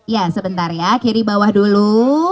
ya sebentar ya kiri bawah dulu